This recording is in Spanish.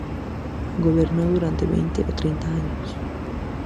Gobernó durante veinte o treinta años.